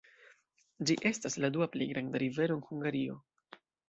Ĝi estas la dua plej granda rivero en Hungario.